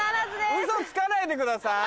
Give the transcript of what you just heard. ウソつかないでください。